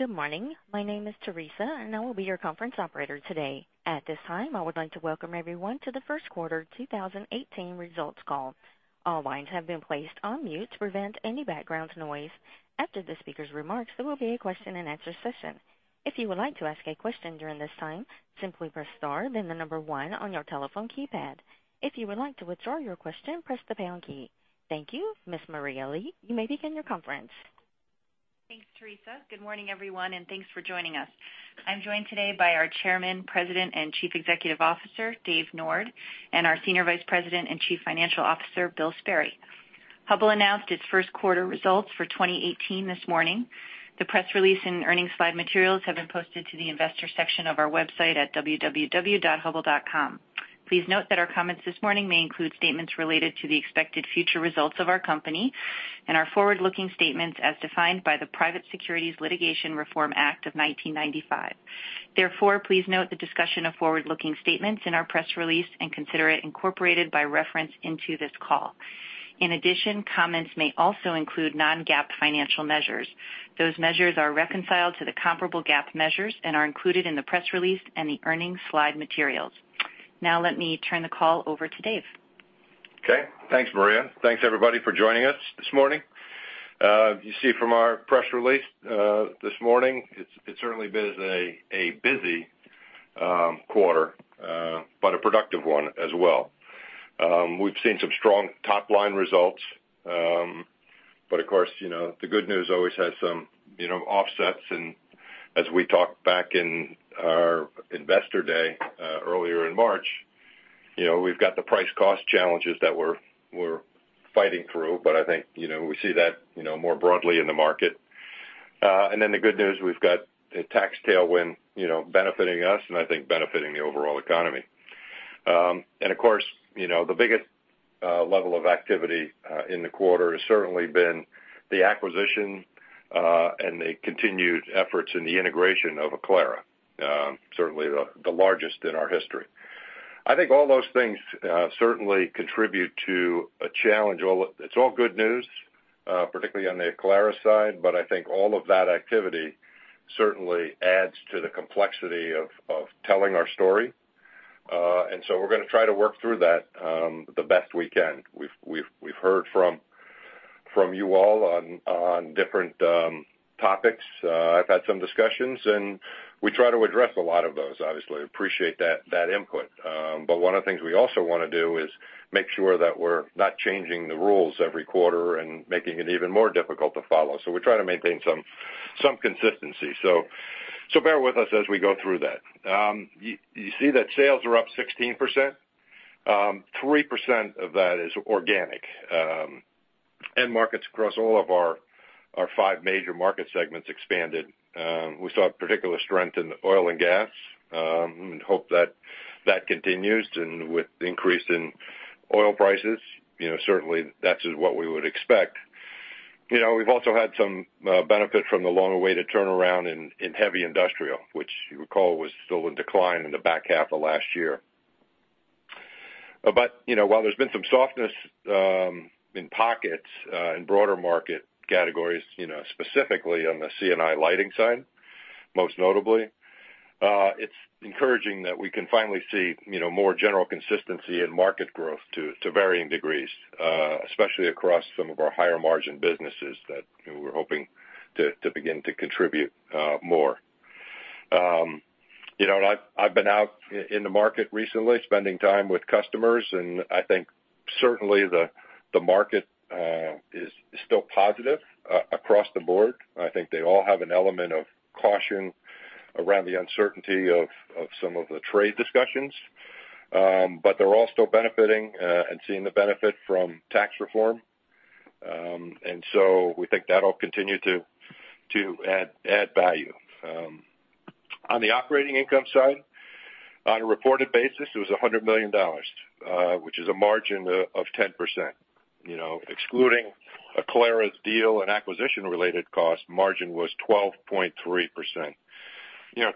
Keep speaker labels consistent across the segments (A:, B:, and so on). A: Good morning. My name is Teresa, and I will be your conference operator today. At this time, I would like to welcome everyone to the first quarter 2018 results call. All lines have been placed on mute to prevent any background noise. After the speaker's remarks, there will be a question-and-answer session. If you would like to ask a question during this time, simply press star then the number one on your telephone keypad. If you would like to withdraw your question, press the pound key. Thank you. Ms. Maria Lee, you may begin your conference.
B: Thanks, Teresa. Good morning, everyone. Thanks for joining us. I'm joined today by our Chairman, President, and Chief Executive Officer, Dave Nord, and our Senior Vice President and Chief Financial Officer, Bill Sperry. Hubbell announced its first quarter results for 2018 this morning. The press release and earnings slide materials have been posted to the investor section of our website at www.hubbell.com. Please note that our comments this morning may include statements related to the expected future results of our company and are forward-looking statements as defined by the Private Securities Litigation Reform Act of 1995. Please note the discussion of forward-looking statements in our press release and consider it incorporated by reference into this call. Comments may also include non-GAAP financial measures. Those measures are reconciled to the comparable GAAP measures and are included in the press release and the earnings slide materials. Let me turn the call over to Dave.
C: Okay. Thanks, Maria. Thanks, everybody, for joining us this morning. You see from our press release this morning, it certainly has been a busy quarter but a productive one as well. We've seen some strong top-line results. Of course, the good news always has some offsets. As we talked back in our Investor Day earlier in March, we've got the price-cost challenges that we're fighting through, but I think we see that more broadly in the market. The good news, we've got a tax tailwind benefiting us, and I think benefiting the overall economy. Of course, the biggest level of activity in the quarter has certainly been the acquisition and the continued efforts in the integration of Aclara, certainly the largest in our history. I think all those things certainly contribute to a challenge. It's all good news, particularly on the Aclara side, but I think all of that activity certainly adds to the complexity of telling our story. We're going to try to work through that the best we can. We've heard from you all on different topics. I've had some discussions, and we try to address a lot of those, obviously. Appreciate that input. One of the things we also want to do is make sure that we're not changing the rules every quarter and making it even more difficult to follow. We try to maintain some consistency. Bear with us as we go through that. You see that sales are up 16%. 3% of that is organic. End markets across all of our five major market segments expanded. We saw particular strength in oil and gas and hope that continues. With the increase in oil prices, certainly that is what we would expect. We've also had some benefit from the long-awaited turnaround in heavy industrial, which you recall was still in decline in the back half of last year. While there's been some softness in pockets in broader market categories, specifically on the C&I lighting side, most notably, it's encouraging that we can finally see more general consistency in market growth to varying degrees, especially across some of our higher-margin businesses that we're hoping to begin to contribute more. I've been out in the market recently spending time with customers, and I think certainly the market is still positive across the board. They all have an element of caution around the uncertainty of some of the trade discussions. They're all still benefiting and seeing the benefit from tax reform. We think that'll continue to add value. On the operating income side, on a reported basis, it was $100 million, which is a margin of 10%. Excluding Aclara's deal and acquisition-related costs, margin was 12.3%,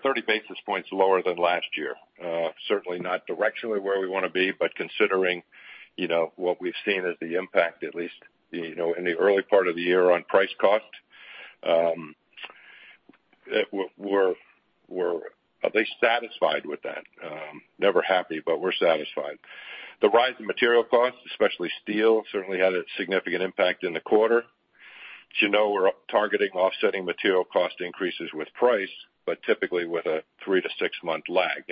C: 30 basis points lower than last year. Certainly not directionally where we want to be, but considering what we've seen as the impact, at least in the early part of the year on price cost, we're at least satisfied with that. Never happy, but we're satisfied. The rise in material costs, especially steel, certainly had a significant impact in the quarter. As you know, we're targeting offsetting material cost increases with price, but typically with a three to six-month lag.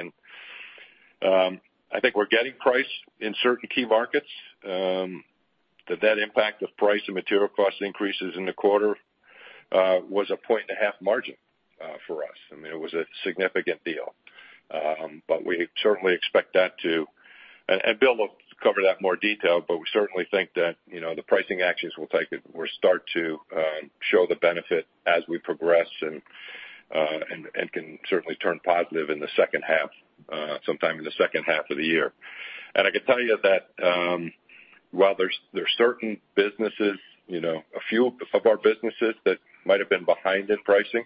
C: I think we're getting price in certain key markets. The net impact of price and material cost increases in the quarter was a point and a half margin for us. I mean, it was a significant deal. Bill will cover that in more detail, but we certainly think that the pricing actions will start to show the benefit as we progress and can certainly turn positive sometime in the second half of the year. I can tell you that while there's certain businesses, a few of our businesses that might have been behind in pricing,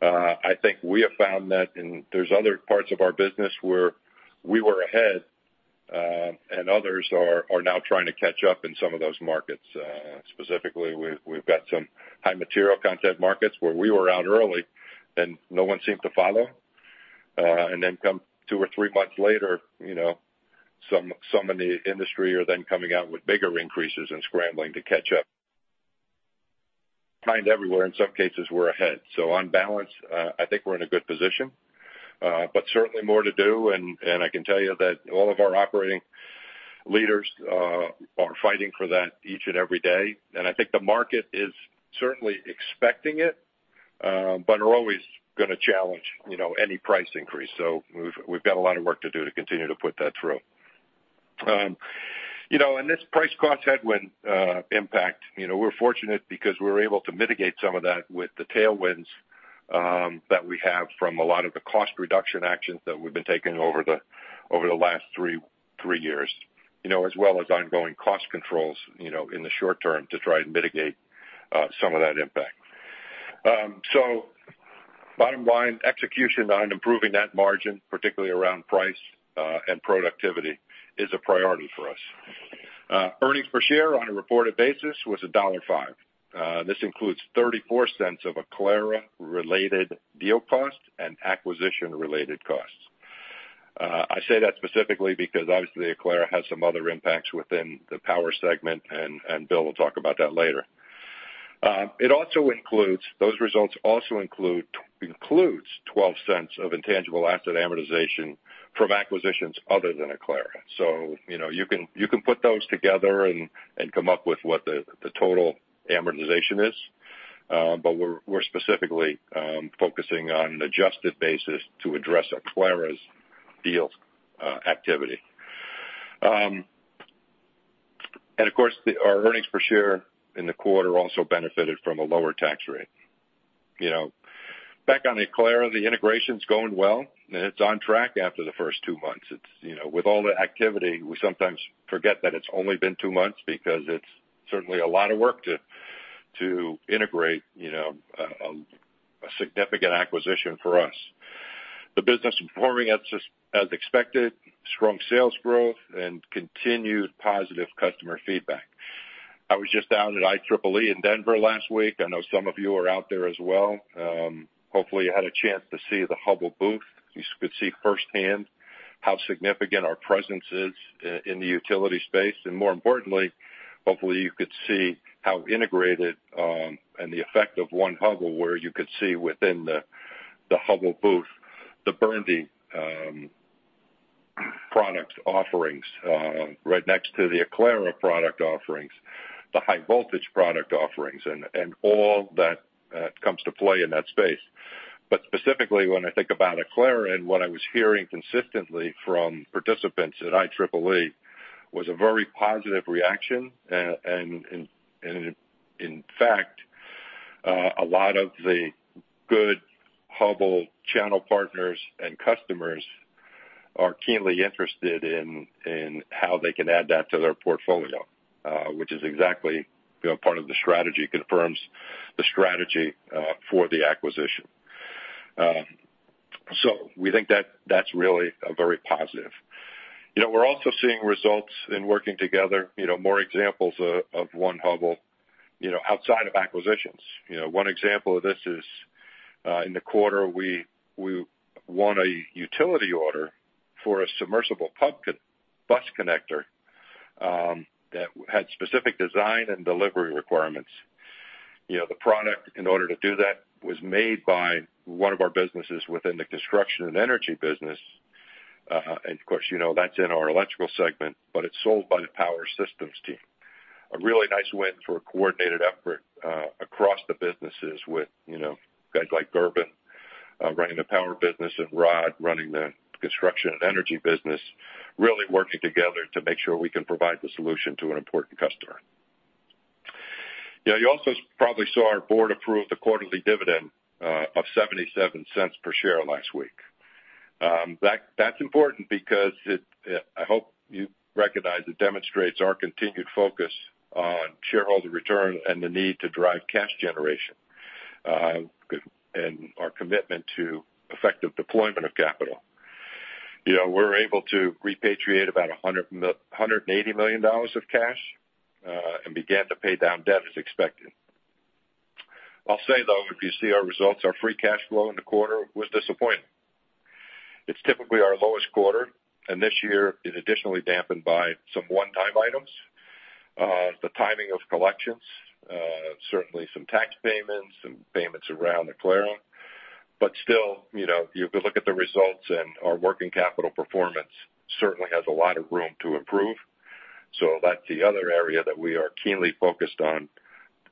C: I think we have found that there's other parts of our business where we were ahead Others are now trying to catch up in some of those markets. Specifically, we've got some high material content markets where we were out early and no one seemed to follow. Then come two or three months later, some in the industry are then coming out with bigger increases and scrambling to catch up. Kind everywhere, in some cases, we're ahead. On balance, I think we're in a good position. Certainly more to do, and I can tell you that all of our operating leaders are fighting for that each and every day. I think the market is certainly expecting it, but are always going to challenge any price increase. We've got a lot of work to do to continue to put that through. This price cost headwind impact, we're fortunate because we were able to mitigate some of that with the tailwinds that we have from a lot of the cost reduction actions that we've been taking over the last three years. As well as ongoing cost controls in the short term to try and mitigate some of that impact. Bottom line, execution on improving that margin, particularly around price and productivity, is a priority for us. Earnings per share on a reported basis was $1.05. This includes $0.34 of Aclara-related deal cost and acquisition-related costs. I say that specifically because obviously Aclara has some other impacts within the Power segment, and Bill will talk about that later. Those results also includes $0.12 of intangible asset amortization from acquisitions other than Aclara. You can put those together and come up with what the total amortization is. We're specifically focusing on an adjusted basis to address Aclara's deal activity. Of course, our earnings per share in the quarter also benefited from a lower tax rate. Back on Aclara, the integration's going well, and it's on track after the first two months. With all the activity, we sometimes forget that it's only been two months because it's certainly a lot of work to integrate a significant acquisition for us. The business is performing as expected, strong sales growth, and continued positive customer feedback. I was just down at IEEE in Denver last week. I know some of you were out there as well. Hopefully, you had a chance to see the Hubbell booth. You could see firsthand how significant our presence is in the utility space, and more importantly, hopefully you could see how integrated and the effect of One Hubbell where you could see within the Hubbell booth the Burndy product offerings right next to the Aclara product offerings, the high voltage product offerings, and all that comes to play in that space. Specifically, when I think about Aclara and what I was hearing consistently from participants at IEEE was a very positive reaction. In fact, a lot of the good Hubbell channel partners and customers are keenly interested in how they can add that to their portfolio, which is exactly part of the strategy, confirms the strategy for the acquisition. We think that's really a very positive. We're also seeing results in working together, more examples of One Hubbell outside of acquisitions. One example of this is in the quarter, we won a utility order for a submersible pump bus connector that had specific design and delivery requirements. The product, in order to do that, was made by one of our businesses within the Construction & Energy business. Of course, you know that's in our Electrical segment, but it's sold by the Power Systems team. A really nice win for a coordinated effort across the businesses with guys like Gerben running the power business and Rod running the Construction & Energy business, really working together to make sure we can provide the solution to an important customer. You also probably saw our board approved the quarterly dividend of $0.77 per share last week. That's important because I hope you recognize it demonstrates our continued focus on shareholder return and the need to drive cash generation, and our commitment to effective deployment of capital. We're able to repatriate about $180 million of cash, and began to pay down debt as expected. I'll say, though, if you see our results, our free cash flow in the quarter was disappointing. It's typically our lowest quarter, and this year is additionally dampened by some one-time items. The timing of collections, certainly some tax payments and payments around Aclara. Still, you could look at the results, and our working capital performance certainly has a lot of room to improve. That's the other area that we are keenly focused on.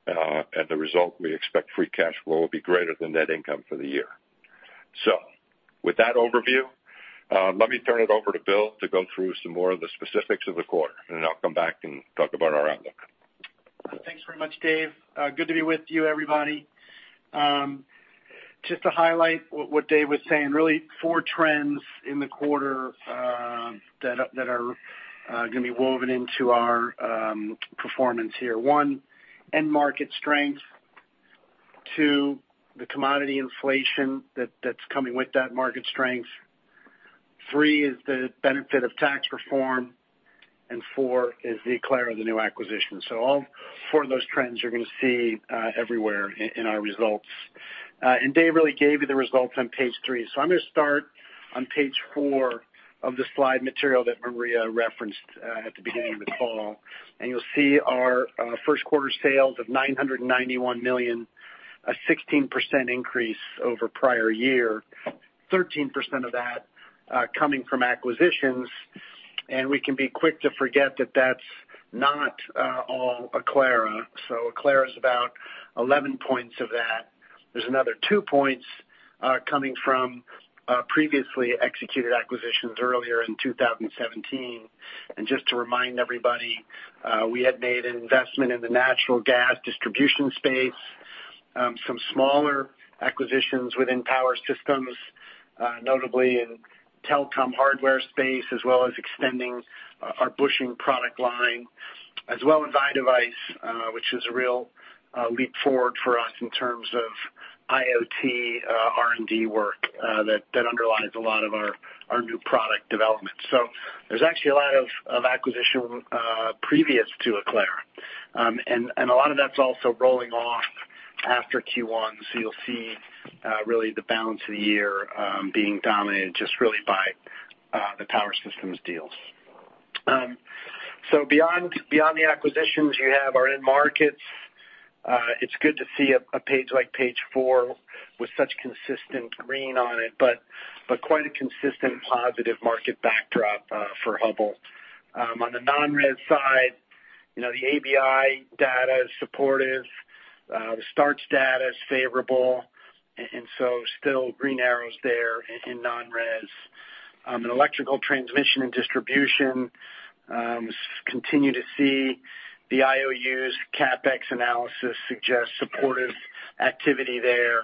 C: As a result, we expect free cash flow will be greater than net income for the year. With that overview, let me turn it over to Bill to go through some more of the specifics of the quarter. I'll come back and talk about our outlook.
D: Thanks very much, Dave. Good to be with you, everybody. Just to highlight what Dave was saying, really four trends in the quarter that are going to be woven into our performance here. One, end market strength Two, the commodity inflation that's coming with that market strength. Three is the benefit of tax reform, and four is the Aclara, the new acquisition. All four of those trends you're going to see everywhere in our results. Dave really gave you the results on page three. I'm going to start on page four of the slide material that Maria referenced at the beginning of the call. You'll see our first quarter sales of $991 million, a 16% increase over prior year, 13% of that coming from acquisitions. We can be quick to forget that that's not all Aclara. Aclara is about 11 points of that. There's another two points coming from previously executed acquisitions earlier in 2017. Just to remind everybody, we had made an investment in the natural gas distribution space, some smaller acquisitions within Power Systems, notably in telecom hardware space, as well as extending our bushing product line, as well as iDevices, which is a real leap forward for us in terms of IoT R&D work that underlies a lot of our new product development. There's actually a lot of acquisition previous to Aclara. A lot of that's also rolling off after Q1. You'll see really the balance of the year being dominated just really by the Power Systems deals. Beyond the acquisitions, you have our end markets. It's good to see a page like page four with such consistent green on it, but quite a consistent positive market backdrop for Hubbell. On the non-res side, the ABI data is supportive. The starts data is favorable, still green arrows there in non-res. In electrical transmission and distribution, continue to see the IOUs CAPEX analysis suggest supportive activity there.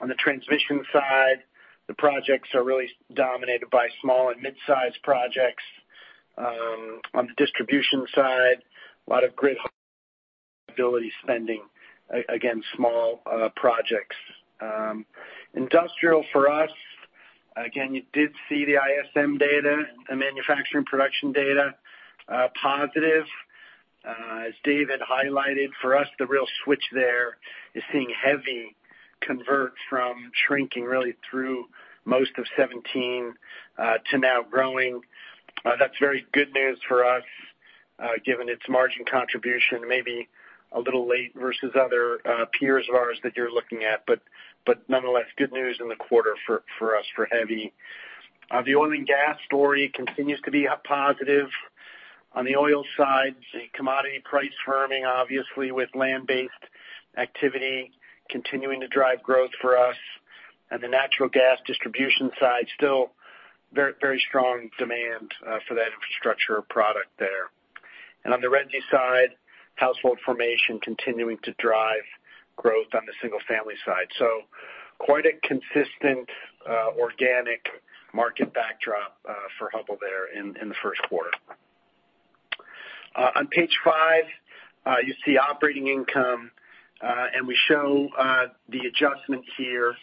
D: On the transmission side, the projects are really dominated by small and mid-size projects. On the distribution side, a lot of grid reliability spending. Again, small projects. Industrial for us, again, you did see the ISM data and the manufacturing production data positive. As Dave had highlighted for us, the real switch there is seeing heavy convert from shrinking really through most of 2017 to now growing. That's very good news for us given its margin contribution, maybe a little late versus other peers of ours that you're looking at, but nonetheless, good news in the quarter for us for heavy. The oil and gas story continues to be a positive. On the oil side, the commodity price firming, obviously with land-based activity continuing to drive growth for us. On the natural gas distribution side, still very strong demand for that infrastructure product there. On the resi side, household formation continuing to drive growth on the single-family side. Quite a consistent organic market backdrop for Hubbell there in the first quarter. On page five, you see operating income, we show the adjustments here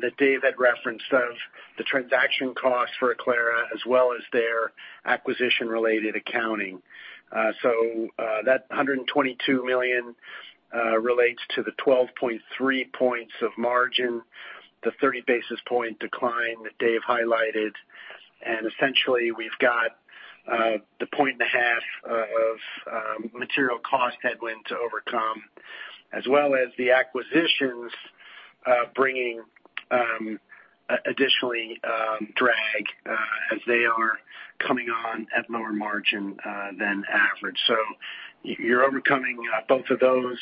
D: that Dave had referenced of the transaction costs for Aclara, as well as their acquisition-related accounting. That $122 million relates to the 12.3 points of margin, the 30 basis point decline that Dave highlighted. Essentially, we've got the point and a half of material cost headwind to overcome, as well as the acquisitions bringing additionally drag as they are coming on at lower margin than average. You're overcoming both of those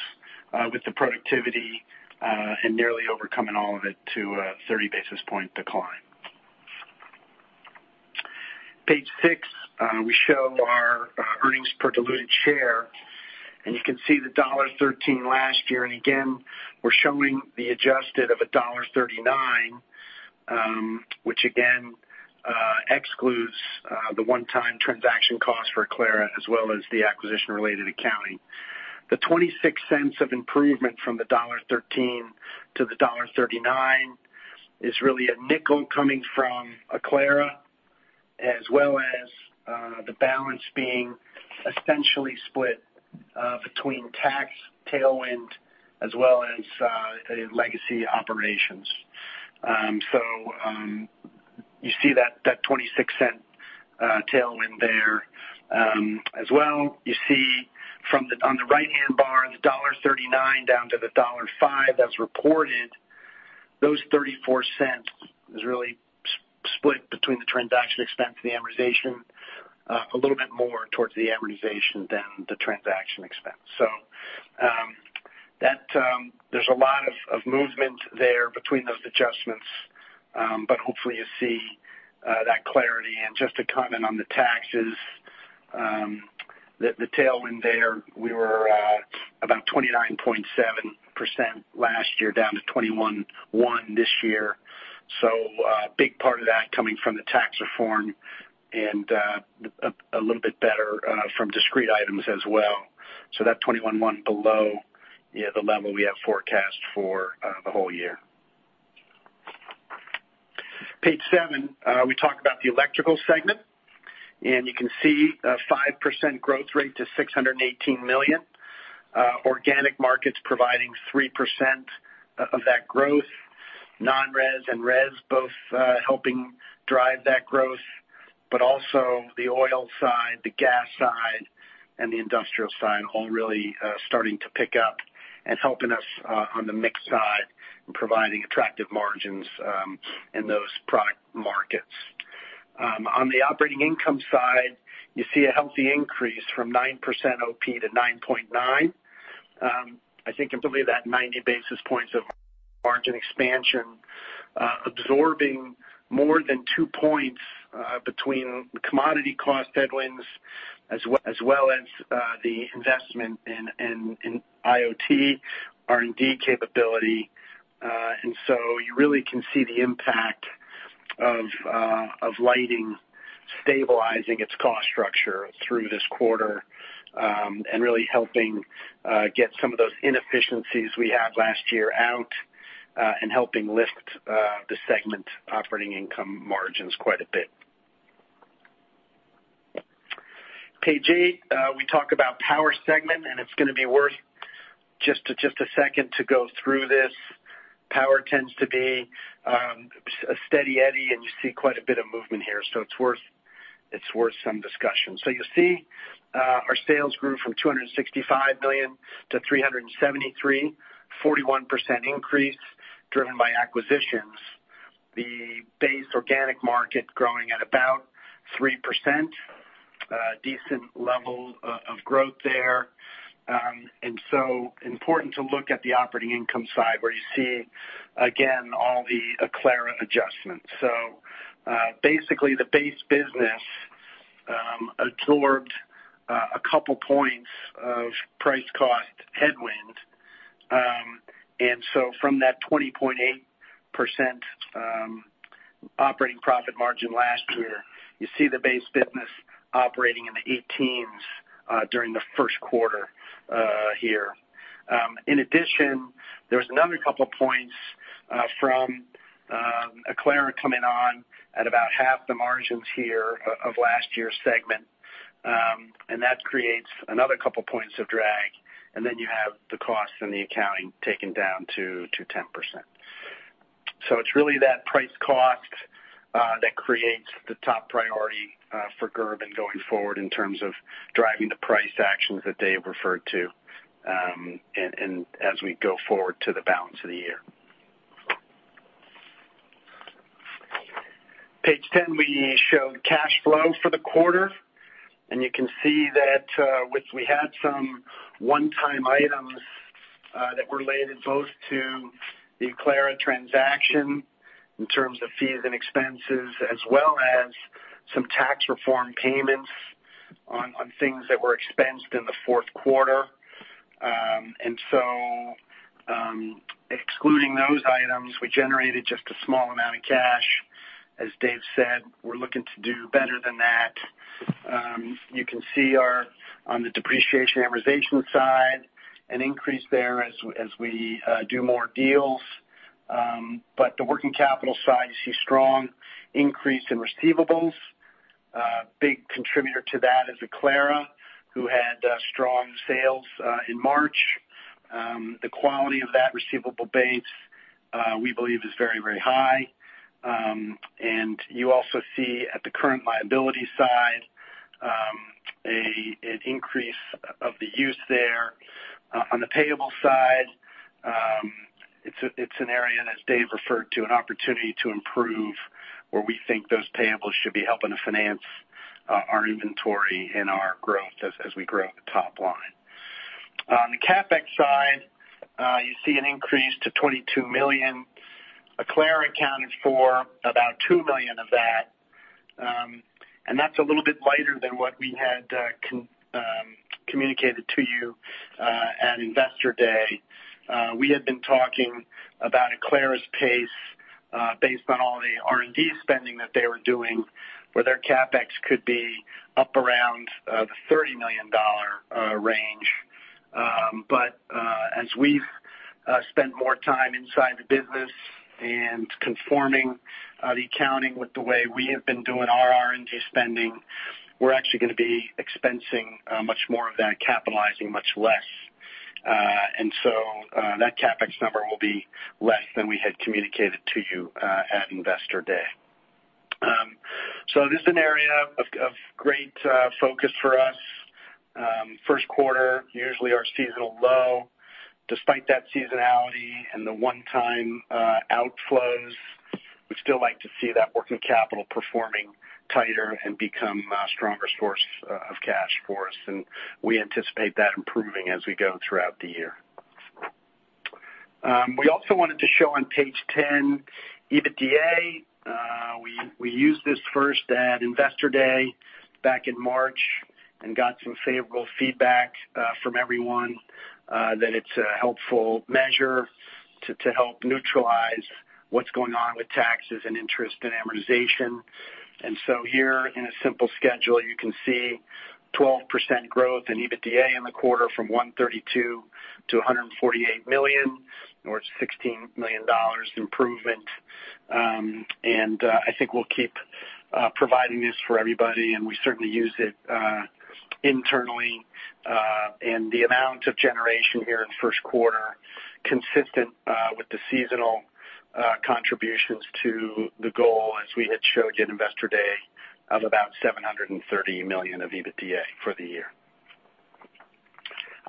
D: with the productivity and nearly overcoming all of it to a 30 basis point decline. Page six, we show our earnings per diluted share, you can see the $1.13 last year. Again, we're showing the adjusted of $1.39, which again excludes the one-time transaction cost for Aclara, as well as the acquisition-related accounting. The $0.26 of improvement from the $1.13 to the $1.39 is really $0.05 coming from Aclara, as well as the balance being essentially split between tax tailwind as well as legacy operations. You see that $0.26 tailwind there. As well, you see on the right-hand bar, the $1.39 down to the $1.05 that's reported. Those $0.34 is really split between the transaction expense and the amortization, a little bit more towards the amortization than the transaction expense. There's a lot of movement there between those adjustments, hopefully you see that clarity. Just to comment on the taxes, the tailwind there, we were about 29.7% last year, down to 21.1% this year. A big part of that coming from the tax reform, a little bit better from discrete items as well. That 21.1% below the level we have forecast for the whole year. Page seven, we talk about the electrical segment, and you can see a 5% growth rate to $618 million. Organic markets providing 3% of that growth. Non-res and res both helping drive that growth, the oil side, the gas side, and the industrial side all really starting to pick up and helping us on the mix side and providing attractive margins in those product markets. On the operating income side, you see a healthy increase from 9% OP to 9.9%. I think you can believe that 90 basis points of margin expansion absorbing more than 2 points between commodity cost headwinds as well as the investment in IoT R&D capability. You really can see the impact of lighting stabilizing its cost structure through this quarter, really helping get some of those inefficiencies we had last year out, helping lift the segment operating income margins quite a bit. Page eight, we talk about power segment, and it's going to be worth just a second to go through this. Power tends to be a steady eddy, you see quite a bit of movement here, it's worth some discussion. You see our sales grew from $265 million to $373 million, a 41% increase driven by acquisitions. The base organic market growing at about 3%, a decent level of growth there. Important to look at the operating income side where you see, again, all the Aclara adjustments. Basically, the base business absorbed a couple points of price cost headwind. From that 20.8% operating profit margin last year, you see the base business operating in the 18s during the first quarter here. In addition, there's another couple of points from Aclara coming on at about half the margins here of last year's segment. That creates another couple points of drag, you have the cost and the accounting taken down to 10%. It's really that price cost that creates the top priority for Gerben going forward in terms of driving the price actions that Dave referred to as we go forward to the balance of the year. Page 10, we show cash flow for the quarter, you can see that we had some one-time items that related both to the Aclara transaction in terms of fees and expenses, as well as some tax reform payments on things that were expensed in the fourth quarter. Excluding those items, we generated just a small amount of cash. As Dave said, we're looking to do better than that. You can see on the depreciation amortization side, an increase there as we do more deals. The working capital side, you see strong increase in receivables. A big contributor to that is Aclara, who had strong sales in March. The quality of that receivable base, we believe is very, very high. You also see at the current liability side, an increase of the use there. On the payable side, it's an area, as Dave referred to, an opportunity to improve, where we think those payables should be helping to finance our inventory and our growth as we grow the top line. On the CapEx side, you see an increase to $22 million. Aclara accounted for about $2 million of that. That's a little bit lighter than what we had communicated to you at Investor Day. We had been talking about Aclara's pace based on all the R&D spending that they were doing, where their CapEx could be up around the $30 million range. As we've spent more time inside the business and conforming the accounting with the way we have been doing our R&D spending, we're actually going to be expensing much more of that, capitalizing much less. That CapEx number will be less than we had communicated to you at Investor Day. This is an area of great focus for us. First quarter, usually our seasonal low. Despite that seasonality and the one-time outflows, we'd still like to see that working capital performing tighter and become a stronger source of cash for us. We anticipate that improving as we go throughout the year. We also wanted to show on page 10 EBITDA. We used this first at Investor Day back in March Got some favorable feedback from everyone, that it's a helpful measure to help neutralize what's going on with taxes and interest and amortization. Here in a simple schedule, you can see 12% growth in EBITDA in the quarter from $132 million to $148 million, or $16 million improvement. I think we'll keep providing this for everybody, and we certainly use it internally. The amount of generation here in the first quarter, consistent with the seasonal contributions to the goal as we had showed you at Investor Day of about $730 million of EBITDA for the year.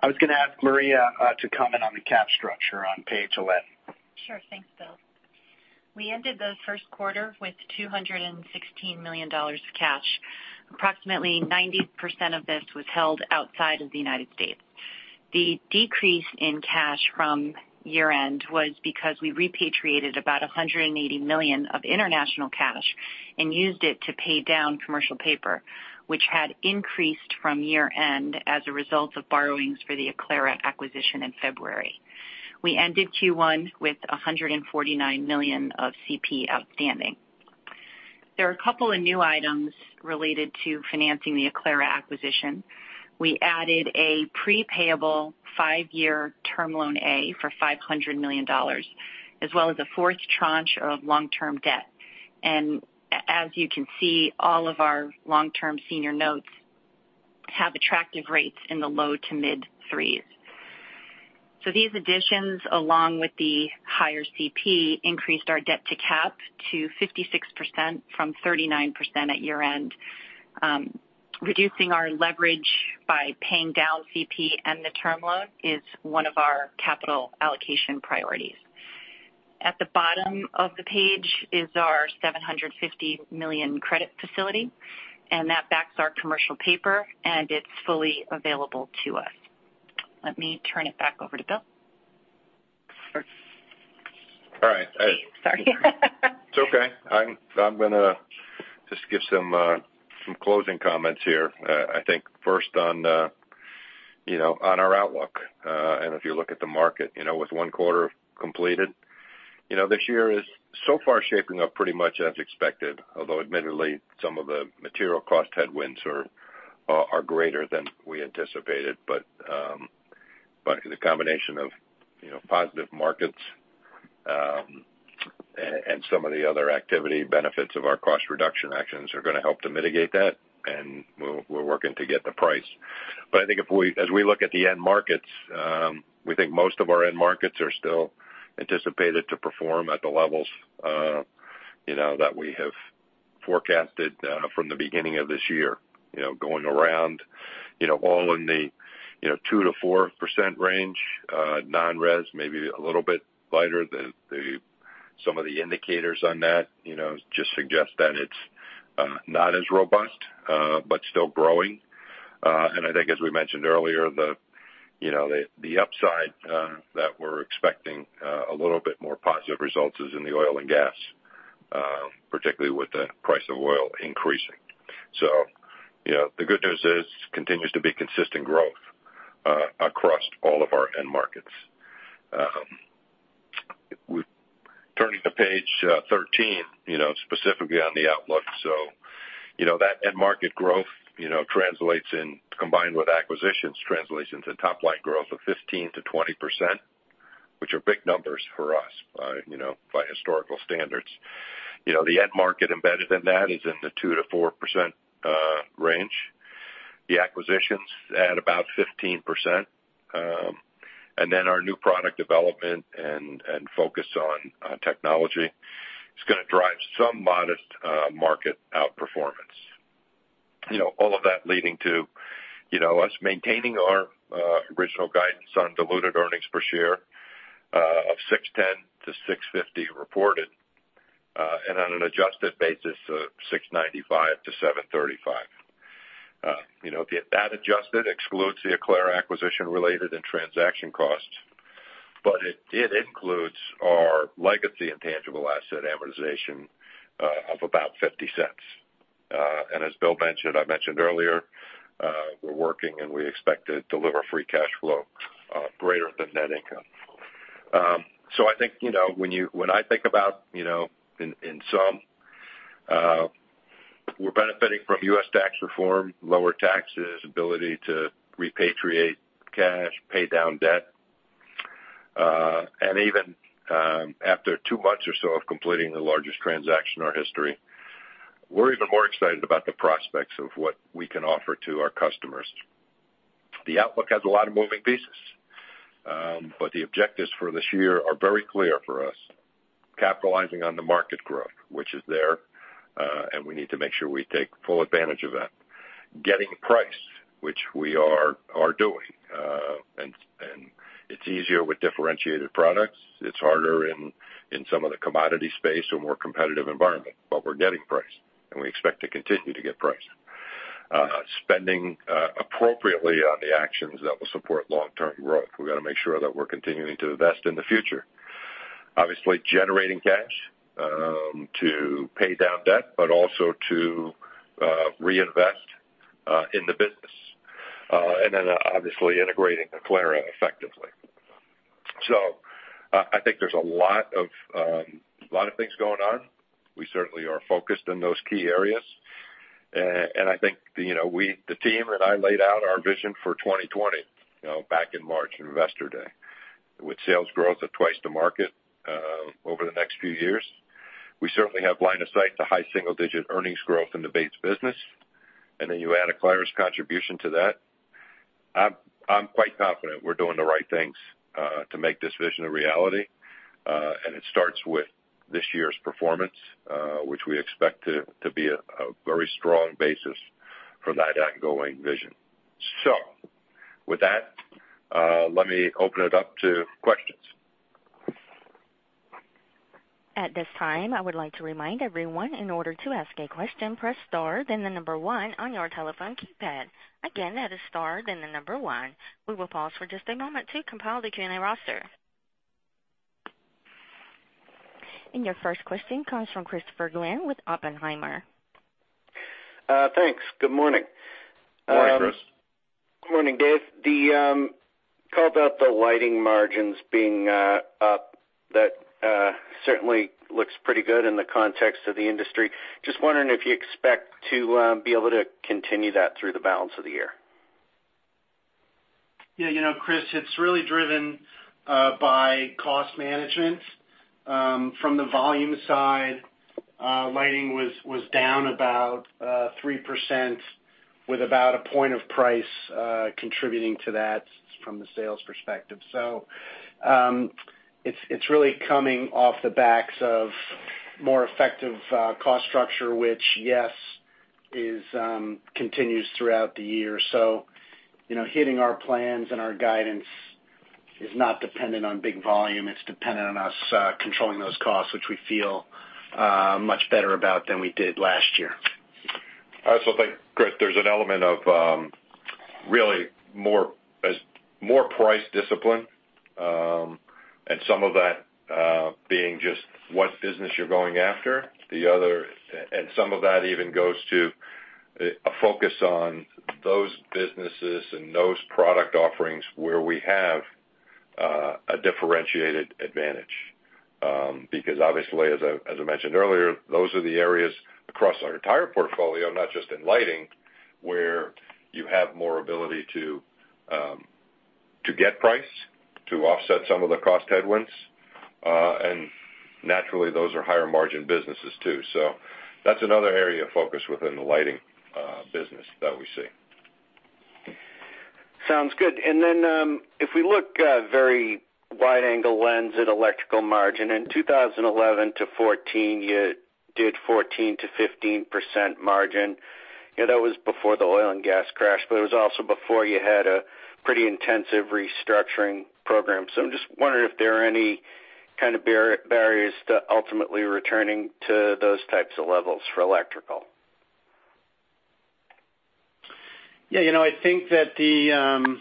D: I was going to ask Maria to comment on the cap structure on page 11.
B: Sure. Thanks, Bill. We ended the first quarter with $216 million cash. Approximately 90% of this was held outside of the U.S. The decrease in cash from year-end was because we repatriated about $180 million of international cash and used it to pay down commercial paper, which had increased from year-end as a result of borrowings for the Aclara acquisition in February. We ended Q1 with $149 million of CP outstanding. There are a couple of new items related to financing the Aclara acquisition. We added a pre-payable five-year term loan A for $500 million, as well as a fourth tranche of long-term debt. As you can see, all of our long-term senior notes have attractive rates in the low to mid threes. These additions, along with the higher CP, increased our debt to cap to 56% from 39% at year-end. Reducing our leverage by paying down CP and the term loan is one of our capital allocation priorities. At the bottom of the page is our $750 million credit facility, and that backs our commercial paper, and it's fully available to us. Let me turn it back over to Bill.
C: All right.
B: Sorry.
C: It's okay. I'm going to just give some closing comments here. I think first on our outlook. If you look at the market, with one quarter completed, this year is so far shaping up pretty much as expected, although admittedly, some of the material cost headwinds are greater than we anticipated. The combination of positive markets and some of the other activity benefits of our cost reduction actions are going to help to mitigate that, and we're working to get the price. I think as we look at the end markets, we think most of our end markets are still anticipated to perform at the levels that we have forecasted from the beginning of this year. Going around all in the 2%-4% range, non-res, maybe a little bit lighter. Some of the indicators on that just suggest that it's not as robust, but still growing. I think as we mentioned earlier, the upside that we're expecting a little bit more positive results is in the oil and gas, particularly with the price of oil increasing. The good news is, continues to be consistent growth across all of our end markets. Turning to page 13, specifically on the outlook. That end market growth, combined with acquisitions, translates into top-line growth of 15%-20%, which are big numbers for us by historical standards. The end market embedded in that is in the 2%-4% range. The acquisitions at about 15%. Our new product development and focus on technology is going to drive some modest market outperformance. All of that leading to us maintaining our original guidance on diluted earnings per share of $6.10 to $6.50 reported, and on an adjusted basis of $6.95 to $7.35. That adjusted excludes the Aclara acquisition related and transaction costs, but it did include our legacy intangible asset amortization of about $0.50. As Bill mentioned, I mentioned earlier, we're working and we expect to deliver free cash flow greater than net income. I think when I think about in sum, we're benefiting from U.S. tax reform, lower taxes, ability to repatriate cash, pay down debt, and even after 2 months or so of completing the largest transaction in our history, we're even more excited about the prospects of what we can offer to our customers. The outlook has a lot of moving pieces. The objectives for this year are very clear for us. Capitalizing on the market growth, which is there, and we need to make sure we take full advantage of that. Getting price, which we are doing. It's easier with differentiated products. It's harder in some of the commodity space or more competitive environment, but we're getting price. We expect to continue to get price. Spending appropriately on the actions that will support long-term growth. We got to make sure that we're continuing to invest in the future. Obviously generating cash to pay down debt, but also to reinvest in the business. Obviously integrating Aclara effectively. I think there's a lot of things going on. We certainly are focused in those key areas. I think the team and I laid out our vision for 2020 back in March, Investor Day, with sales growth of twice to market over the next few years. We certainly have line of sight to high single-digit earnings growth in the base business, and then you add Aclara's contribution to that. I'm quite confident we're doing the right things to make this vision a reality. It starts with this year's performance, which we expect to be a very strong basis for that ongoing vision. With that, let me open it up to questions.
A: At this time, I would like to remind everyone, in order to ask a question, press star, then the number 1 on your telephone keypad. Again, that is star, then the number 1. We will pause for just a moment to compile the Q&A roster. Your first question comes from Christopher Glynn with Oppenheimer.
E: Thanks. Good morning.
C: Morning, Chris.
E: Morning, Dave. You called out the lighting margins being up. That certainly looks pretty good in the context of the industry. Just wondering if you expect to be able to continue that through the balance of the year.
D: Yeah, Chris, it's really driven by cost management. From the volume side, lighting was down about 3% with about a point of price contributing to that from the sales perspective. It's really coming off the backs of more effective cost structure, which, yes, continues throughout the year. Hitting our plans and our guidance is not dependent on big volume. It's dependent on us controlling those costs, which we feel much better about than we did last year.
C: I also think, Chris, there's an element of really more price discipline, some of that being just what business you're going after. Some of that even goes to a focus on those businesses and those product offerings where we have a differentiated advantage. Obviously, as I mentioned earlier, those are the areas across our entire portfolio, not just in lighting, where you have more ability to get price to offset some of the cost headwinds. Naturally, those are higher margin businesses too. That's another area of focus within the lighting business that we see.
E: Sounds good. If we look very wide-angle lens at electrical margin, in 2011 to 2014, you did 14%-15% margin. That was before the oil and gas crash, it was also before you had a pretty intensive restructuring program. I'm just wondering if there are any kind of barriers to ultimately returning to those types of levels for electrical.
D: Yeah, I think that the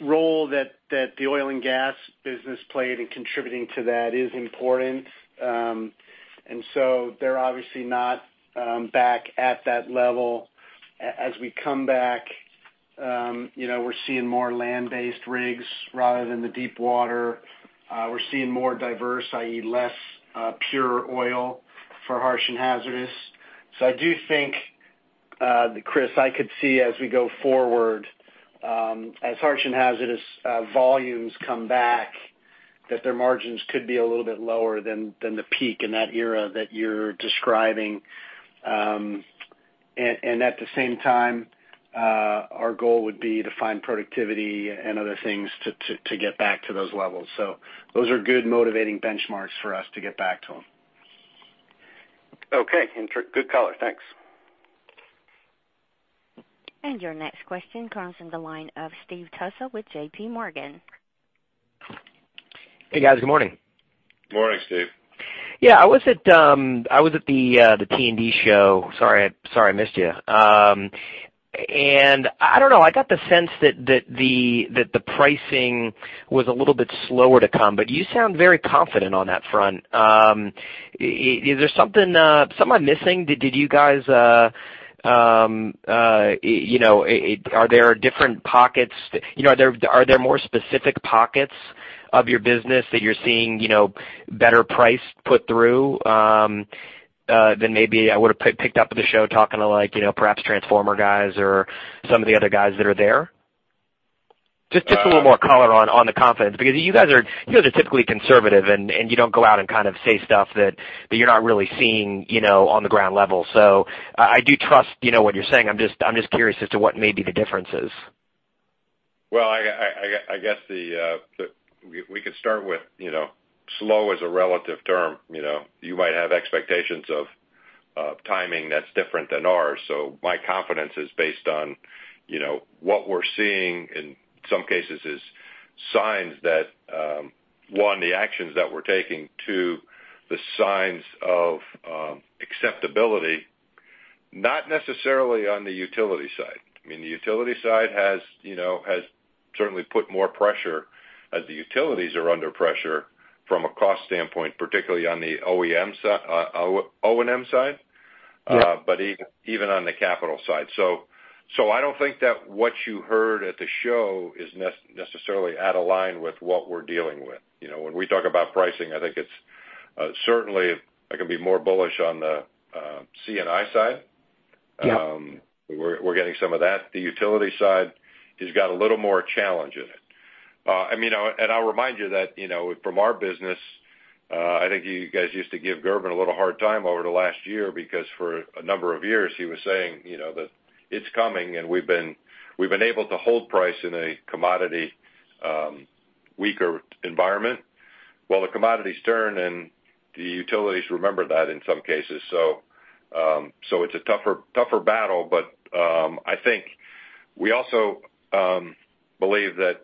D: role that the oil and gas business played in contributing to that is important. They're obviously not back at that level. As we come back, we're seeing more land-based rigs rather than the deep water. We're seeing more diverse, i.e., less pure oil for harsh and hazardous. I do think, Chris, I could see as we go forward, as harsh and hazardous volumes come back, that their margins could be a little bit lower than the peak in that era that you're describing. At the same time, our goal would be to find productivity and other things to get back to those levels. Those are good motivating benchmarks for us to get back to them.
E: Okay. Good color. Thanks.
A: Your next question comes from the line of Steve Tusa with JPMorgan.
F: Hey, guys. Good morning.
C: Morning, Steve.
F: I was at the T&D show. Sorry I missed you. I don't know, I got the sense that the pricing was a little bit slower to come, you sound very confident on that front. Is there something I'm missing? Are there more specific pockets of your business that you're seeing better price put through than maybe I would have picked up at the show talking to perhaps transformer guys or some of the other guys that are there? Just a little more color on the confidence, because you guys are typically conservative, and you don't go out and kind of say stuff that you're not really seeing on the ground level. I do trust what you're saying. I'm just curious as to what maybe the difference is.
C: Well, I guess we could start with slow is a relative term. You might have expectations of timing that's different than ours. My confidence is based on what we're seeing in some cases is signs that, one, the actions that we're taking. Two, the signs of acceptability. Not necessarily on the utility side. I mean, the utility side has certainly put more pressure as the utilities are under pressure from a cost standpoint, particularly on the O&M side.
F: Yeah
C: Even on the capital side. I don't think that what you heard at the show is necessarily out of line with what we're dealing with. When we talk about pricing, I think it's certainly, I can be more bullish on the C&I side.
F: Yeah.
C: We're getting some of that. The utility side has got a little more challenge in it. I'll remind you that from our business, I think you guys used to give Gerben a little hard time over the last year because for a number of years, he was saying that it's coming and we've been able to hold price in a commodity weaker environment. Well, the commodities turn, and the utilities remember that in some cases. It's a tougher battle, but, I think we also believe that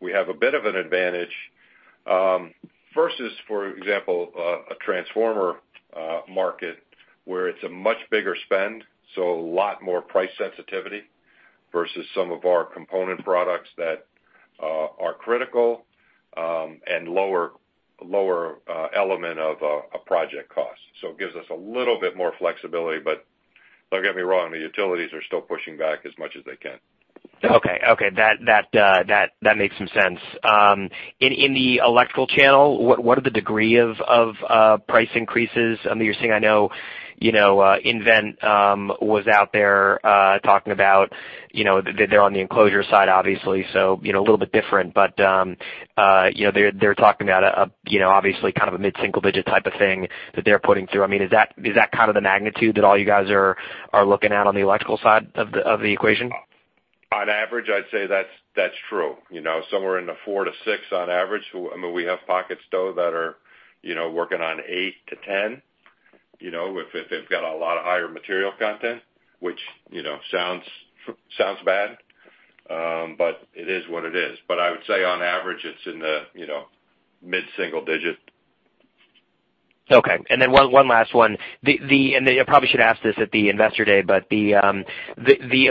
C: we have a bit of an advantage versus, for example, a transformer market where it's a much bigger spend, so a lot more price sensitivity versus some of our component products that are critical, and lower element of a project cost. It gives us a little bit more flexibility, but don't get me wrong, the utilities are still pushing back as much as they can.
F: Okay. That makes some sense. In the electrical channel, what are the degree of price increases that you're seeing? I know nVent was out there talking about they're on the enclosure side, obviously, so a little bit different. They're talking about obviously kind of a mid-single-digit type of thing that they're putting through. Is that kind of the magnitude that all you guys are looking at on the electrical side of the equation?
C: On average, I'd say that's true. Somewhere in the 4-6 on average. I mean, we have pockets, though, that are working on 8-10, if they've got a lot of higher material content, which sounds bad. It is what it is. I would say on average, it's in the mid-single digit.
F: Okay. Then one last one. I probably should ask this at the Investor Day, the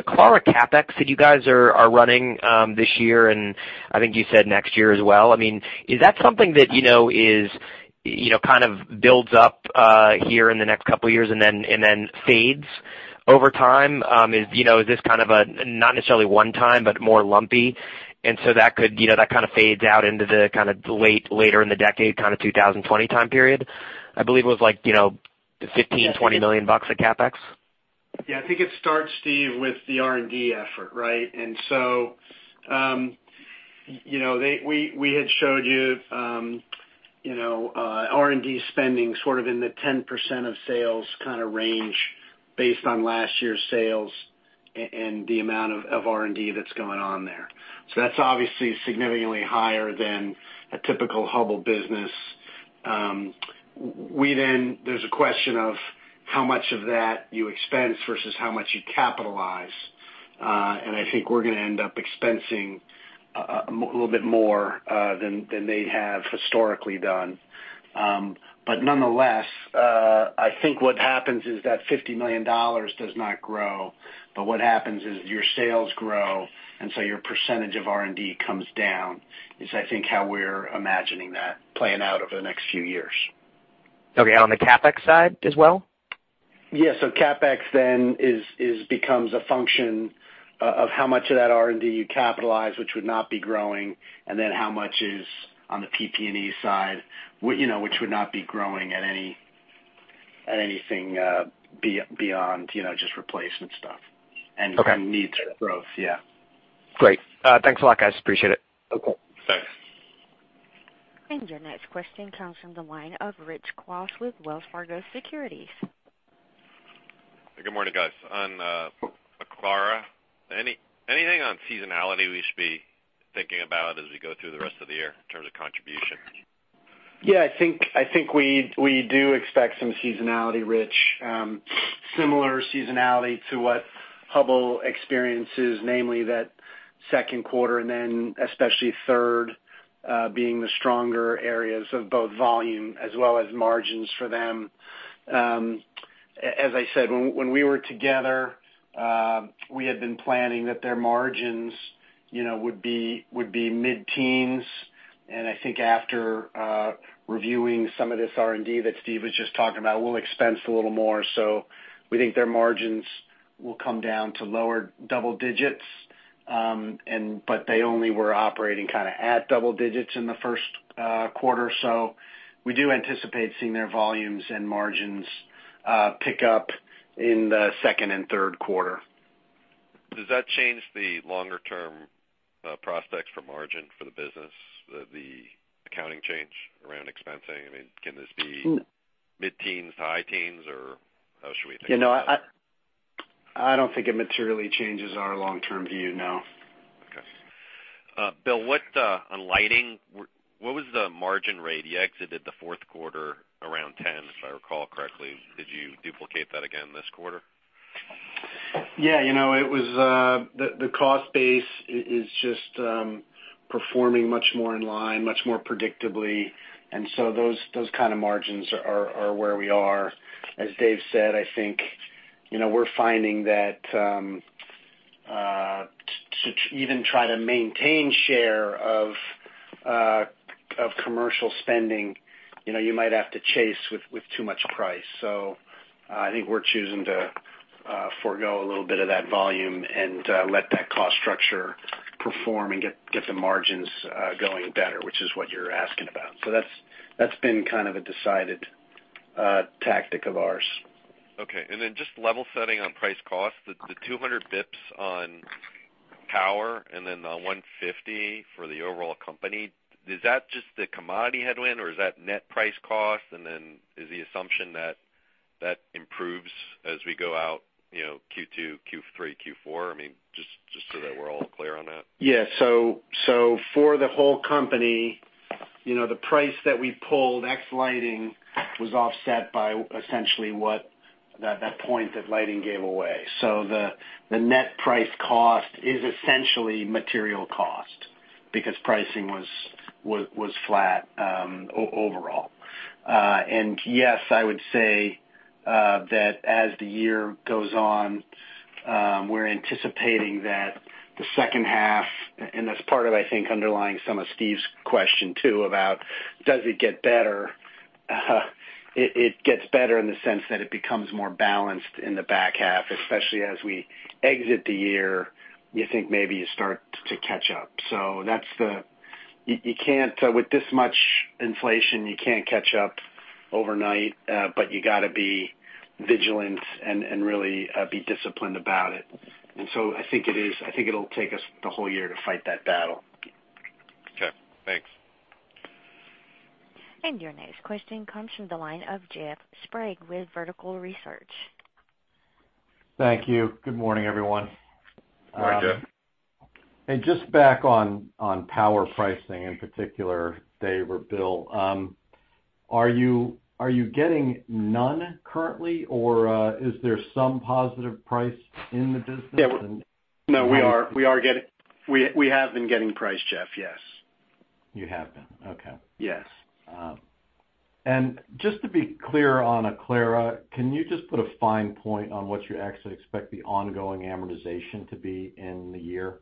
F: Aclara CapEx that you guys are running this year and I think you said next year as well, is that something that kind of builds up here in the next couple of years and then fades over time? Is this kind of a, not necessarily one time, but more lumpy, that kind of fades out into the kind of later in the decade, kind of 2020 time period? I believe it was like $15 million-$20 million of CapEx.
D: Yeah, I think it starts, Steve, with the R&D effort, right? We had showed you R&D spending sort of in the 10% of sales kind of range based on last year's sales and the amount of R&D that's going on there. That's obviously significantly higher than a typical Hubbell business. There's a question of how much of that you expense versus how much you capitalize. I think we're going to end up expensing a little bit more than they have historically done. Nonetheless, I think what happens is that $50 million does not grow. What happens is your sales grow, your percentage of R&D comes down is, I think, how we're imagining that playing out over the next few years.
F: Okay. On the CapEx side as well?
D: Yeah. CapEx then becomes a function of how much of that R&D you capitalize, which would not be growing, and then how much is on the PP&E side which would not be growing at anything beyond just replacement stuff.
F: Okay.
D: Needs growth, yeah.
F: Great. Thanks a lot, guys. Appreciate it.
D: Okay.
C: Thanks.
A: Your next question comes from the line of Rich Kwas with Wells Fargo Securities.
G: Good morning, guys. On Aclara, anything on seasonality we should be thinking about as we go through the rest of the year in terms of contribution?
D: Yeah, I think we do expect some seasonality, Rich. Similar seasonality to what Hubbell experiences, namely that second quarter and then especially third being the stronger areas of both volume as well as margins for them. As I said, when we were together, we had been planning that their margins would be mid-teens, I think after reviewing some of this R&D that Steve was just talking about, we'll expense a little more. We think their margins will come down to lower double digits. They only were operating kind of at double digits in the first quarter, we do anticipate seeing their volumes and margins pick up in the second and third quarter.
G: Does that change the longer-term prospects for margin for the business, the accounting change around expensing? I mean, can this be mid-teens to high teens, or how should we think about that?
D: I don't think it materially changes our long-term view, no.
G: Okay. Bill, on lighting, what was the margin rate? You exited the fourth quarter around 10%, if I recall correctly. Did you duplicate that again this quarter?
D: Yeah. The cost base is just performing much more in line, much more predictably. Those kind of margins are where we are. As Dave said, I think we're finding that to even try to maintain share of commercial spending, you might have to chase with too much price. I think we're choosing to forego a little bit of that volume and let that cost structure perform and get the margins going better, which is what you're asking about. That's been kind of a decided tactic of ours.
G: Okay. Just level setting on price cost, the 200 basis points on power and the 150 basis points for the overall company, is that just the commodity headwind or is that net price cost? Is the assumption that improves as we go out Q2, Q3, Q4? I mean, just so that we're all clear on that.
D: Yeah. For the whole company, the price that we pulled ex lighting was offset by essentially what that point that lighting gave away. The net price cost is essentially material cost because pricing was flat overall. Yes, I would say that as the year goes on, we're anticipating that the second half, and that's part of, I think, underlying some of Steve's question too about does it get better? It gets better in the sense that it becomes more balanced in the back half, especially as we exit the year, you think maybe you start to catch up. With this much inflation, you can't catch up overnight. You got to be vigilant and really be disciplined about it. I think it'll take us the whole year to fight that battle.
G: Okay, thanks.
A: Your next question comes from the line of Jeff Sprague with Vertical Research.
H: Thank you. Good morning, everyone.
D: Good morning, Jeff.
H: Just back on power pricing, in particular, Dave or Bill, are you getting none currently or is there some positive price in the business?
D: We have been getting price, Jeff, yes.
H: You have been. Okay.
D: Yes.
H: Just to be clear on Aclara, can you just put a fine point on what you actually expect the ongoing amortization to be in the year?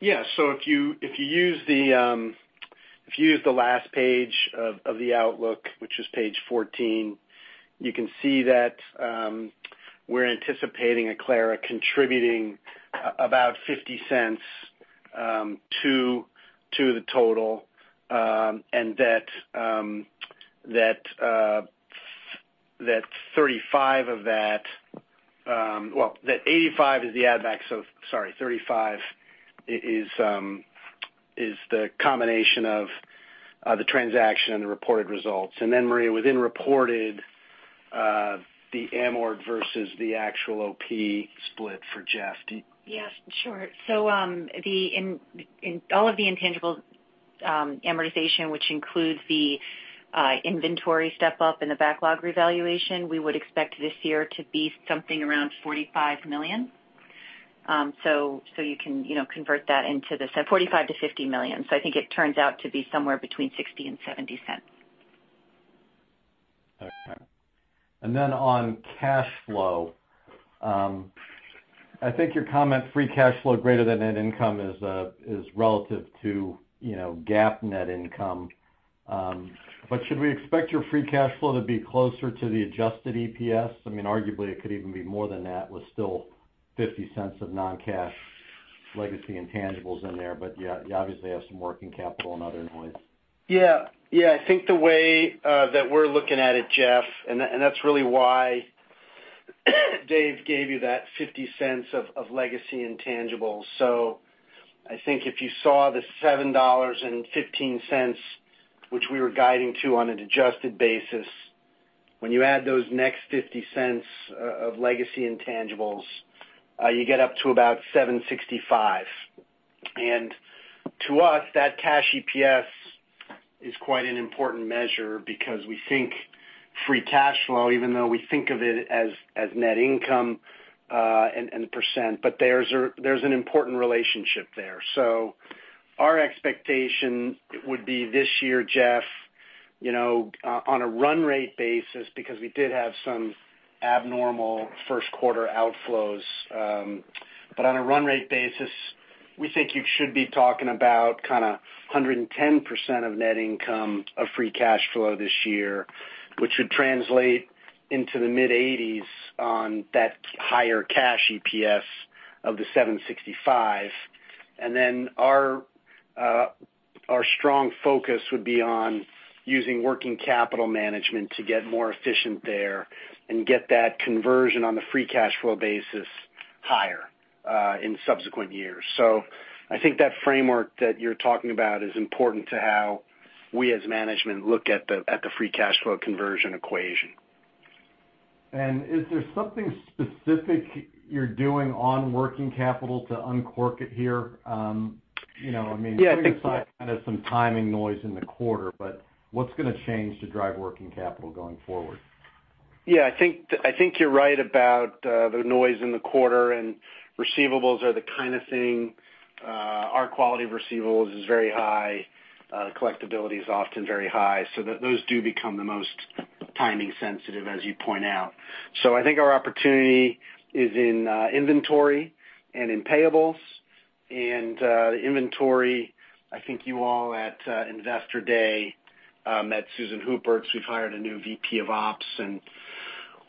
D: If you use the last page of the outlook, which is page 14, you can see that we're anticipating Aclara contributing about $0.50 to the total. That 85 is the add back, sorry, 35 is the combination of the transaction and the reported results. Maria, within reported, the amort versus the actual OP split for Jeff.
B: Sure. All of the intangible amortization, which includes the inventory step-up and the backlog revaluation, we would expect this year to be something around $45 million. You can convert that into the $45 million-$50 million. I think it turns out to be somewhere between $0.60 and $0.70.
H: On cash flow, I think your comment free cash flow greater than net income is relative to GAAP net income. Should we expect your free cash flow to be closer to the adjusted EPS? I mean, arguably it could even be more than that with still $0.50 of non-cash legacy intangibles in there. You obviously have some working capital and other noise.
D: I think the way that we're looking at it, Jeff Sprague, that's really why Dave Nord gave you that $0.50 of legacy intangibles. I think if you saw the $7.15, which we were guiding to on an adjusted basis, when you add those next $0.50 of legacy intangibles, you get up to about $7.65. To us, that cash EPS is quite an important measure because we think free cash flow, even though we think of it as net income and percent, there's an important relationship there. Our expectation would be this year, Jeff Sprague, on a run rate basis, because we did have some abnormal first quarter outflows. On a run rate basis, we think you should be talking about kind of 110% of net income of free cash flow this year, which would translate into the mid-80s on that higher cash EPS of the $7.65. Our strong focus would be on using working capital management to get more efficient there and get that conversion on the free cash flow basis higher in subsequent years. I think that framework that you're talking about is important to how we as management look at the free cash flow conversion equation.
H: Is there something specific you're doing on working capital to uncork it here? I think there's some timing noise in the quarter, what's going to change to drive working capital going forward?
D: I think you're right about the noise in the quarter, receivables are the kind of thing. Our quality of receivables is very high. Collectibility is often very high, those do become the most timing sensitive, as you point out. I think our opportunity is in inventory and in payables. The inventory, I think you all at Investor Day met Susan Hooper. We've hired a new VP of ops,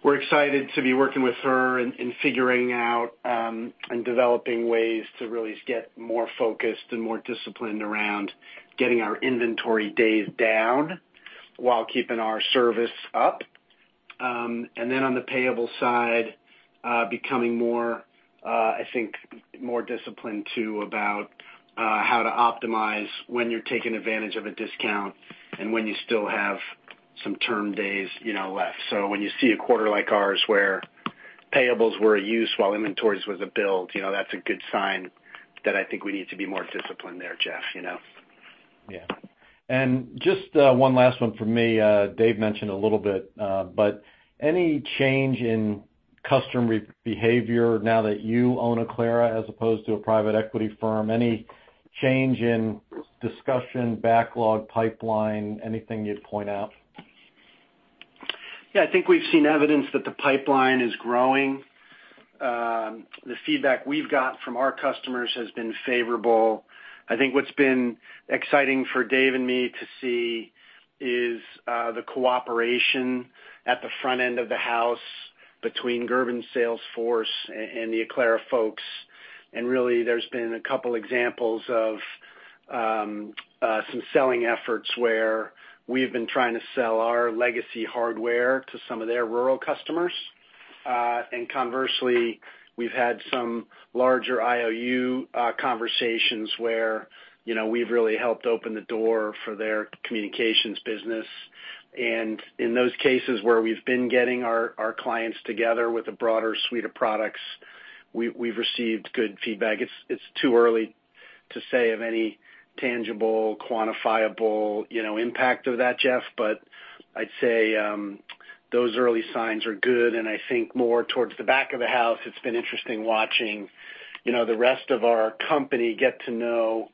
D: we're excited to be working with her in figuring out and developing ways to really get more focused and more disciplined around getting our inventory days down while keeping our service up. Then on the payable side, becoming more, I think, more disciplined, too, about how to optimize when you're taking advantage of a discount and when you still have some term days left. When you see a quarter like ours where payables were a use while inventory was a build, that's a good sign that I think we need to be more disciplined there, Jeff.
H: Just one last one from me. Dave mentioned a little bit, any change in customer behavior now that you own Aclara as opposed to a private equity firm? Any change in discussion, backlog, pipeline? Anything you'd point out?
D: I think we've seen evidence that the pipeline is growing. The feedback we've got from our customers has been favorable. I think what's been exciting for Dave and me to see is the cooperation at the front end of the house between Hubbell's sales force and the Aclara folks. Really, there's been a couple examples of some selling efforts where we've been trying to sell our legacy hardware to some of their rural customers. Conversely, we've had some larger IOU conversations where we've really helped open the door for their communications business. In those cases where we've been getting our clients together with a broader suite of products, we've received good feedback. It's too early to say of any tangible, quantifiable impact of that, Jeff, but I'd say those early signs are good. I think more towards the back of the house, it's been interesting watching the rest of our company get to know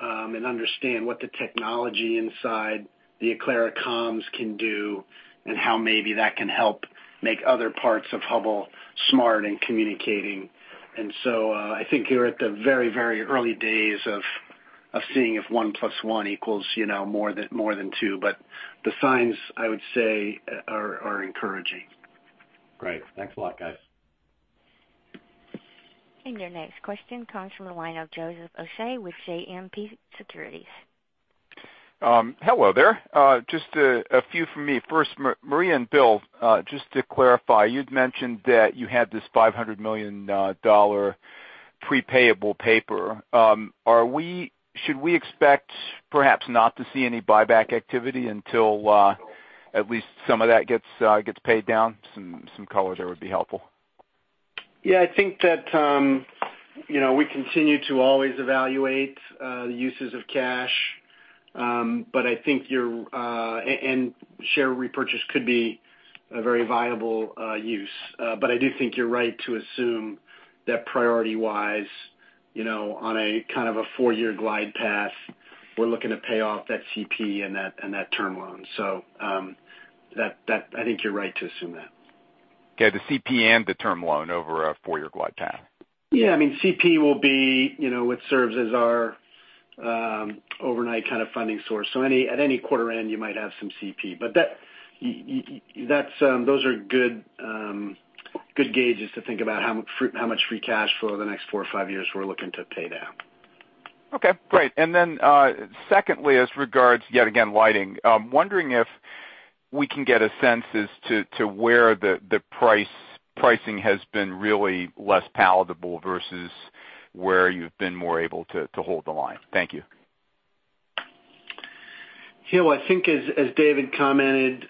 D: and understand what the technology inside the Aclara comms can do and how maybe that can help make other parts of Hubbell smart and communicating. So I think you're at the very early days of seeing if one plus one equals more than two. The signs, I would say, are encouraging.
H: Great. Thanks a lot, guys.
A: Your next question comes from the line of Joseph Osha with JMP Securities.
I: Hello there. Just a few from me. First, Maria and Bill, just to clarify, you'd mentioned that you had this $500 million pre-payable paper. Should we expect perhaps not to see any buyback activity until at least some of that gets paid down? Some color there would be helpful.
D: Yeah, I think that we continue to always evaluate the uses of cash, and share repurchase could be a very viable use. I do think you're right to assume that priority-wise, on a kind of a four-year glide path, we're looking to pay off that CP and that term loan. I think you're right to assume that.
I: The CP and the term loan over a four-year glide path.
D: CP will be what serves as our overnight kind of funding source. At any quarter end, you might have some CP. Those are good gauges to think about how much free cash flow the next four or five years we're looking to pay down.
I: Secondly, as regards yet again, lighting. I'm wondering if we can get a sense as to where the pricing has been really less palatable versus where you've been more able to hold the line. Thank you.
D: I think as David commented,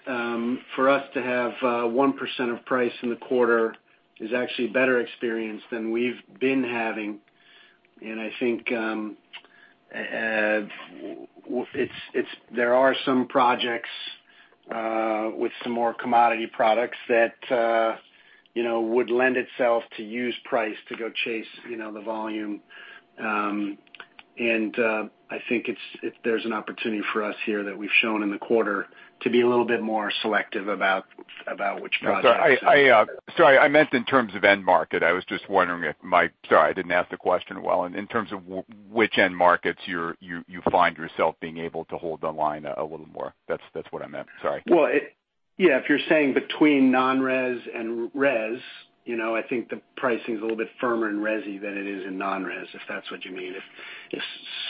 D: for us to have 1% of price in the quarter is actually a better experience than we've been having. I think there are some projects with some more commodity products that would lend itself to use price to go chase the volume. I think there's an opportunity for us here that we've shown in the quarter to be a little bit more selective about which projects-
I: Sorry, I meant in terms of end market. I was just wondering if sorry, I didn't ask the question well. In terms of which end markets you find yourself being able to hold the line a little more. That's what I meant. Sorry.
D: Well, yeah, if you're saying between non-res and res, I think the pricing's a little bit firmer in resi than it is in non-res, if that's what you mean. If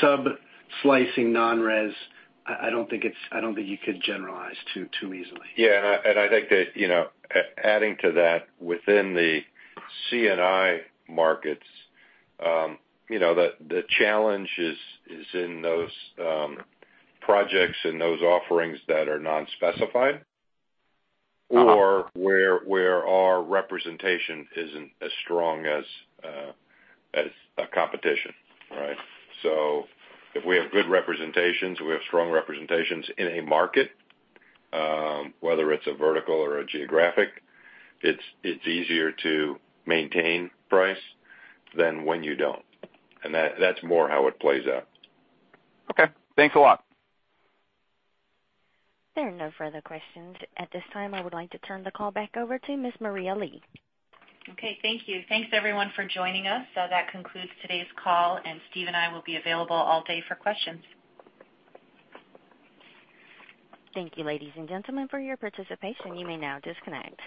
D: sub-slicing non-res, I don't think you could generalize too easily.
C: Yeah, I think that, adding to that, within the C&I markets, the challenge is in those projects and those offerings that are non-specified or where our representation isn't as strong as a competition. If we have good representations, we have strong representations in a market, whether it's a vertical or a geographic, it's easier to maintain price than when you don't. That's more how it plays out.
I: Okay. Thanks a lot.
A: There are no further questions. At this time, I would like to turn the call back over to Ms. Maria Lee.
B: Okay, thank you. Thanks, everyone, for joining us. That concludes today's call, and Steve and I will be available all day for questions.
A: Thank you, ladies and gentlemen, for your participation. You may now disconnect.